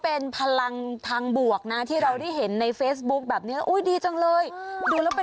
เป้นผู้ถ่ายเอาไว้มาโพสนะคะ